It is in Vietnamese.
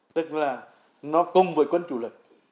tức là nó cùng với quân chủ lực